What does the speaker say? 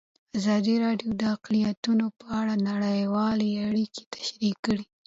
ازادي راډیو د اقلیتونه په اړه نړیوالې اړیکې تشریح کړي.